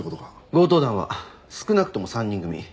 強盗団は少なくとも３人組。